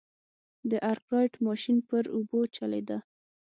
د ارکرایټ ماشین پر اوبو چلېده.